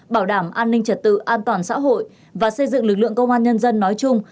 bảo đảm an ninh trật tự an toàn xã hội và xây dựng lực lượng công an nhân dân nói chung